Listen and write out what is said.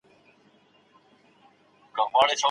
د خلکو له نیوکو سره په مناسب ډول رفتار کول مهمه دی.